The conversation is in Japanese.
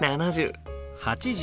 「８０」。